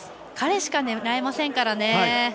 彼しか狙えませんから。